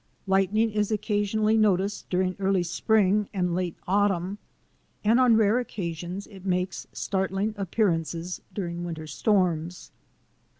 Lightning is occasionally noticed during early spring and late autumn, and on rare occasions it makes startling appearances during winter storms.